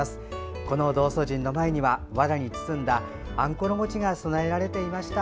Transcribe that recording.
ここの道祖神の前にはわらに包まれたあんころ餅が供えられていました。